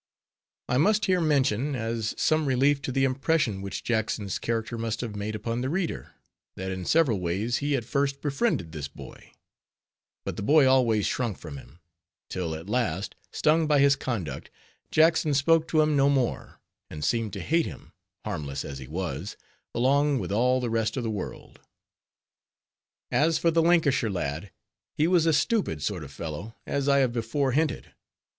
I must here mention, as some relief to the impression which Jackson's character must have made upon the reader, that in several ways he at first befriended this boy; but the boy always shrunk from him; till, at last, stung by his conduct, Jackson spoke to him no more; and seemed to hate him, harmless as he was, along with all the rest of the world. As for the Lancashire lad, he was a stupid sort of fellow, as I have before hinted.